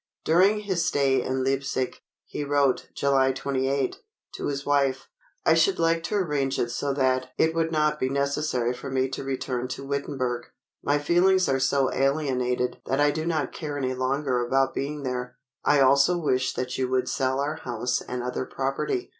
During his stay in Leipzig, he wrote (July 28), to his wife, "I should like to arrange it so that it would not be necessary for me to return to Wittenberg. My feelings are so alienated that I do not care any longer about being there. I also wish that you would sell our house and other property.